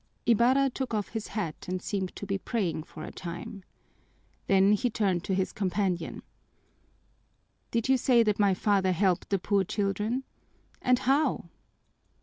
Ibarra took off his hat and seemed to be praying for a time. Then he turned to his companion: "Did you say that my father helped the poor children? And now?"